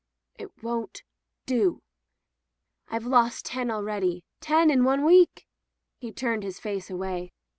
"It won't do." "I've lost ten already. Ten in one week." He turned his face away.